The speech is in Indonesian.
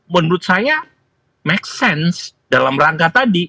menurut saya make sense dalam rangka tadi